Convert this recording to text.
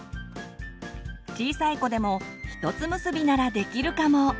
小さい子でもひとつ結びならできるかも！